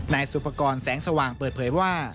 นายสุภกรณ์แสงสว่างเปิดเผยว่า